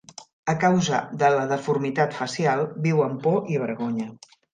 A causa de la deformitat facial, viu amb por i vergonya.